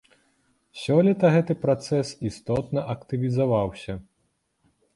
Сёлета гэты працэс істотна актывізаваўся.